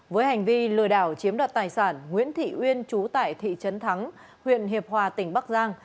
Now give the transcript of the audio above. với hành vi lừa đảo chiếm đoạt tài sản nguyễn thị uyên trú tại thị trấn thắng huyện hiệp hòa tỉnh bắc giang